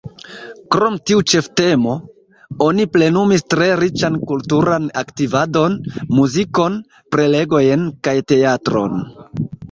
Krom tiu ĉeftemo, oni plenumis tre riĉan kulturan aktivadon: muzikon, prelegojn kaj teatron.